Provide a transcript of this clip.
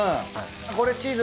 これチーズ